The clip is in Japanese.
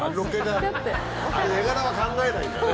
絵柄は考えないんだね。